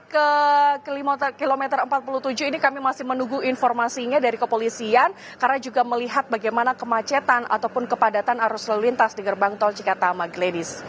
ke kilometer empat puluh tujuh ini kami masih menunggu informasinya dari kepolisian karena juga melihat bagaimana kemacetan ataupun kepadatan arus lalu lintas di gerbang tol cikatama gladis